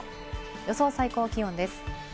予想最高気温です。